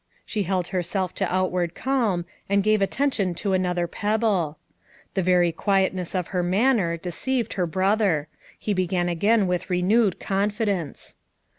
She held herself to outward calm and gave attention to another pebble. The very quietness of her manner deceived her brother; ho began again with renewed con fidence.